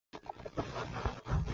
链型植物两大类。